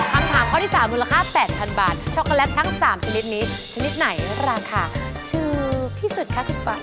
คำถามข้อที่๓มูลค่า๘๐๐๐บาทช็อกโกแลตทั้ง๓ชนิดนี้ชนิดไหนราคาถูกที่สุดคะคุณป่า